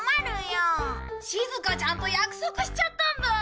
しずかちゃんと約束しちゃったんだ。